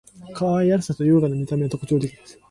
可愛らしさと優雅な見た目は特徴的です．